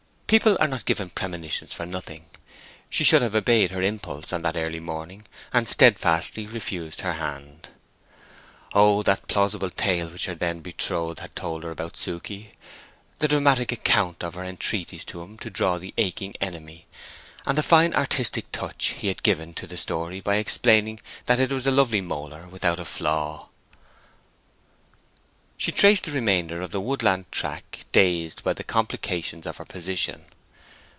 People are not given premonitions for nothing; she should have obeyed her impulse on that early morning, and steadfastly refused her hand. Oh, that plausible tale which her then betrothed had told her about Suke—the dramatic account of her entreaties to him to draw the aching enemy, and the fine artistic touch he had given to the story by explaining that it was a lovely molar without a flaw! She traced the remainder of the woodland track dazed by the complications of her position.